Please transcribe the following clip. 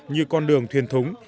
như con đường thuyền thúng